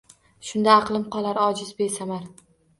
Shunda aqlim qolar ojiz, besamar